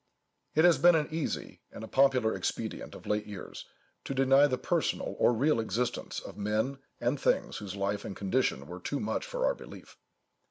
It has been an easy, and a popular expedient, of late years, to deny the personal or real existence of men and things whose life and condition were too much for our belief.